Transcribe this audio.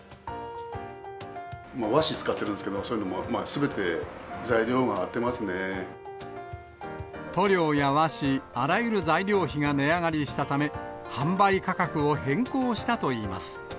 和紙使ってるんですけど、そういうのもすべて材料が上がっ塗料や和紙、あらゆる材料費が値上がりしたため、販売価格を変更したといいます。